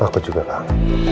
aku juga kak